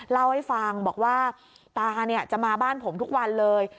เล่าให้ฟังบอกว่าตาจะมาบ้านผมทุกวันเลย